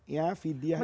ya fidyah itu